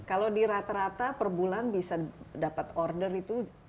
kalau di rata rata per bulan bisa dapat order itu